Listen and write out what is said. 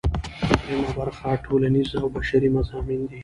دریمه برخه ټولنیز او بشري مضامین دي.